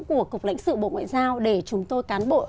của cục lãnh sự bộ ngoại giao để chúng tôi